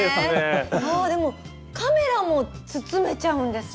でもカメラも包めちゃうんですね。